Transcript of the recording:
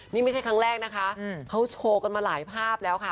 นี่ไม่ใช่ครั้งแรกนะคะเขาโชว์กันมาหลายภาพแล้วค่ะ